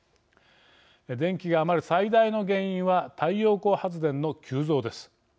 電気が余る最大の原因は太陽光発電の急増です。